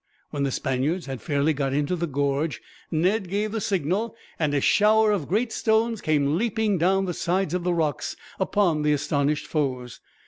When the Spaniards had fairly got into the gorge Ned gave the signal, and a shower of great stones came leaping down the sides of the rocks upon the astonished foes.